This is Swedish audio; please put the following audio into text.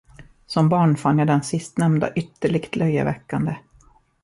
Som barn fann jag den sistnämnda ytterligt löjeväckande.